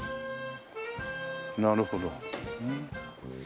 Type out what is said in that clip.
なるほど。